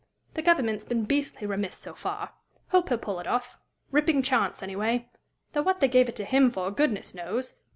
"The government's been beastly remiss so far. Hope he'll pull it off. Ripping chance, anyway. Though what they gave it to him for, goodness knows!